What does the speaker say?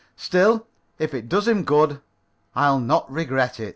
Still, if it does him good, I'll not regret it."